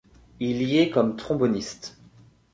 Il y est comme tromboniste.